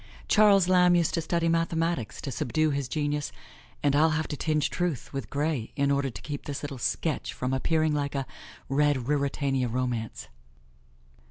Charles Lamb used to study mathematics to subdue his genius, and I'll have to tinge truth with gray in order to keep this little sketch from appearing like a red Ruritania romance.